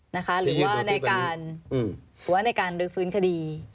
หรือว่าในการลึกฟื้นคดี